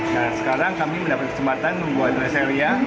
nah sekarang kami mendapatkan kesempatan membuat res area